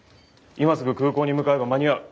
今すぐ空港に向かえば間に合う。